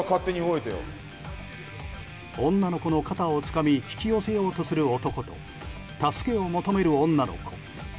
女の子の肩をつかみ引き寄せようとする男と助けを求める女の子。